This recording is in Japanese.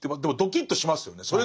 でもドキッとしますよね。